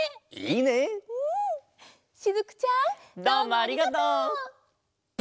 どうもありがとう！